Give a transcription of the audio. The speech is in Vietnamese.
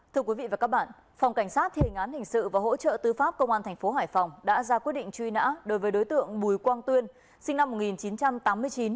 thưa quý vị và các bạn phòng cảnh sát thiền án hình sự và hỗ trợ tư pháp công an tp hải phòng đã ra quyết định truy nã đối với đối tượng bùi quang tuyên sinh năm một nghìn chín trăm tám mươi chín